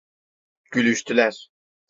Gülüştüler.